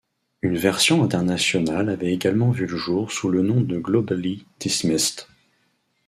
Une version internationale avait également vu le jour sous le nom de Globally Dismissed.